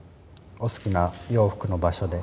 お好きな洋服の場所で。